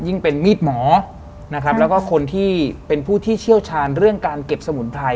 เป็นมีดหมอนะครับแล้วก็คนที่เป็นผู้ที่เชี่ยวชาญเรื่องการเก็บสมุนไพร